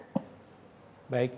baik terima kasih